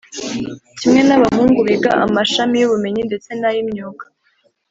kimwe n’abahungu. Biga amashami y’ubumenyi ndetse n’ay’imyuga